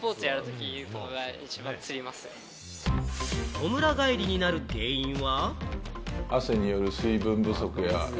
こむら返りになる原因は？